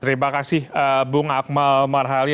terima kasih bung akmal marhali